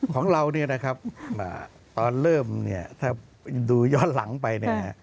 ของเรานะครับตอนเริ่มถ้าดูย้อนหลังไป